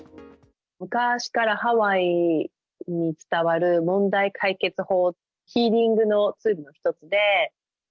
昔からハワイに伝わる問題解決法、ヒーリングのツールの一つで。